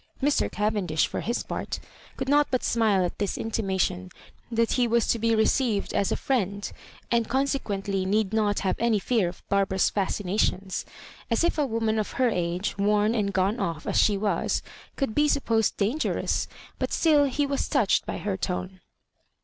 Mr. Cavendish, for his part, could not but smile at this intimation that he was to be received as a friend, and consequently need not have any fear of Barbara's fascinations, — as if a woman of her age, worn and gone off as she was, could be supposed dangerous ; but still he was touch ed by her tone.